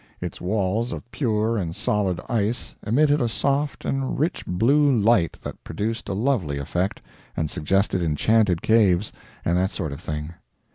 Its walls of pure and solid ice emitted a soft and rich blue light that produced a lovely effect, and suggested enchanted caves, and that sort of thing.